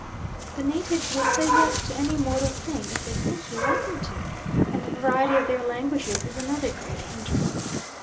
The natives will say "Yes" to any mortal thing, if they think you want them to; and the variety of their languages is another great hindrance.